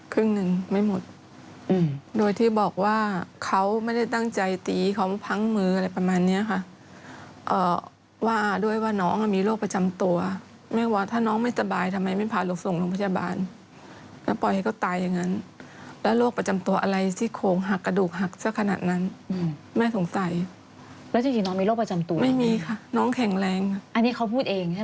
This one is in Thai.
ครึ่งหนึ่งไม่หมดโดยที่บอกว่าเขาไม่ได้ตั้งใจตีเขาพังมืออะไรประมาณเนี้ยค่ะว่าด้วยว่าน้องมีโรคประจำตัวแม่ว่าถ้าน้องไม่สบายทำไมไม่พาลูกส่งโรงพยาบาลแล้วปล่อยให้เขาตายอย่างนั้นแล้วโรคประจำตัวอะไรซี่โครงหักกระดูกหักสักขนาดนั้นแม่สงสัยแล้วจริงน้องมีโรคประจำตัวไม่มีค่ะน้องแข็งแรงอันนี้เขาพูดเองใช่ไหม